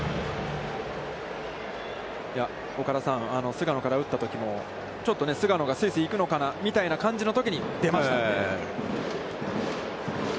岡田さん、菅野から打ったときも、ちょっと菅野がすいすい行くのかなみたいなときに出ましたね。